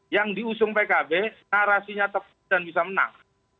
yang diusung pkb narasinya tetap bisa menang